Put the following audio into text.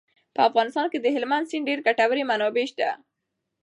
په افغانستان کې د هلمند سیند ډېرې ګټورې منابع شته.